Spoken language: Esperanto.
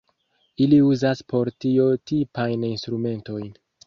Ili uzas por tio tipajn instrumentojn.